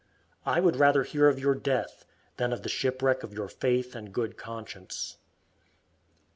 I would rather hear of your death than of the shipwreck of your faith and good conscience.